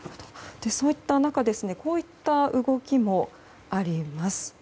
そういった中でこういった動きもあります。